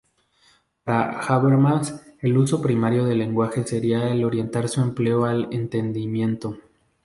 Para Habermas, el uso primario del lenguaje sería el orientar su empleo al entendimiento.